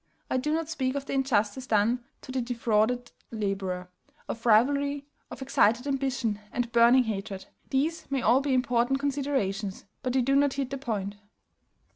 I do not speak of the injustice done to the defrauded laborer, of rivalry, of excited ambition, and burning hatred, these may all be important considerations, but they do not hit the point.